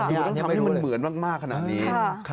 อยู่ต้องทำให้เหมือนมากขนาดนี้